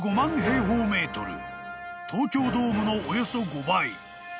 ［東京ドームのおよそ５倍］